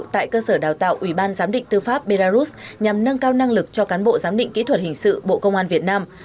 tại cơ sở đào tạo ủy ban giám định tư pháp belarus nhằm nâng cao năng lực cho cán bộ giám định kỹ thuật hình sự bộ công an việt nam